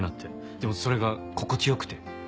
でもそれが心地良くて。